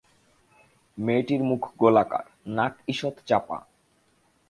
মেয়েটির মুখ গোলাকার, নাক ঈষৎ চাপা।